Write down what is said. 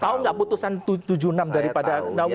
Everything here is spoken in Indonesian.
tahu nggak putusan tujuh puluh enam daripada nau umkm